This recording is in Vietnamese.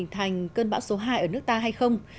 thành cơn bão số hai ở nước ta hay không